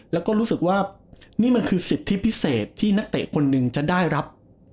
แล้วก็รู้สึกว่านี่มันคือสิทธิพิเศษที่นักเตะคนหนึ่งจะได้รับ